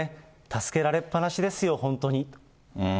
助けられっぱなしですよ、本当に。